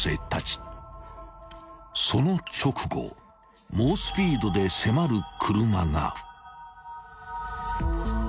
［その直後猛スピードで迫る車が］